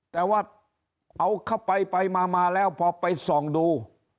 แต่ว่าเอาเข้าไปไปมาแล้วพอไปส่องดู